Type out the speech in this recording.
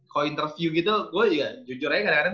di interview gitu gue juga jujur aja kadang kadang